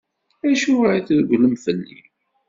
Acuɣer i tregglem fell-i?